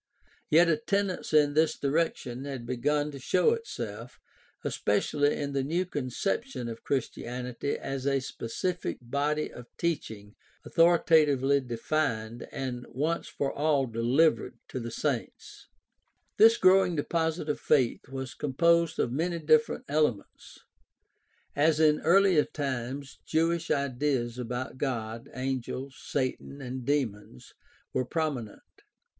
Yet a tendency in this direc tion had begun to show itself, especially in the new conception of Christianity as a specific body of teaching authoritatively defined and once for all delivered unto the saints (e.g., II Tim. 1:14; Jude, vs. 31). 296 GUIDE TO STUDY OF CHRISTIAN RELIGION This growing deposit of faith was composed of many differ ent elements. As in earlier times, Jewish ideas about God, angels, Satan, and demons were prominent.